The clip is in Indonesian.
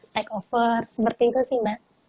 take over seperti itu sih mbak